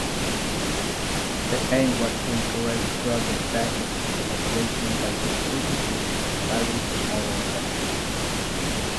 The aim was to encourage project-based collaborations by distributing various smaller grants.